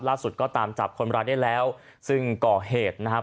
ก็ตามจับคนร้ายได้แล้วซึ่งก่อเหตุนะครับ